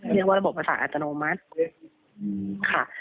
เรียกว่าระบบภาษาอัตโนมัติค่ะ